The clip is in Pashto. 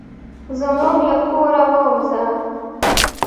زموږ له کوره ووزه.